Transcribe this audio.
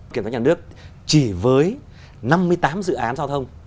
kiểm toán nhà nước chỉ với năm mươi tám dự án giao thông